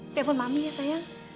telepon mami ya sayang